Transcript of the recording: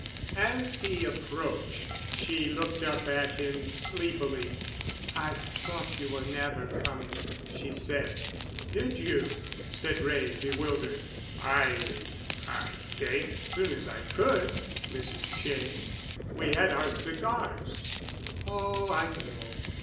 As he approached, she looked up at him sleepily. "I thought you were never coming," she said. "Did you?" said Wray, bewildered. "I—I came as soon as I could, Mrs. Cheyne. We had our cigars——" "Oh, I know.